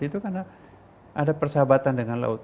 itu karena ada persahabatan dengan laut